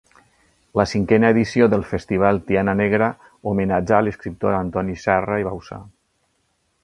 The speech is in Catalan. La cinquena edició del festival Tiana Negra homenatjà l'escriptor Antoni Serra i Bauçà.